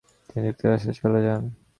তিনি যুক্তরাষ্ট্রে চলে যান।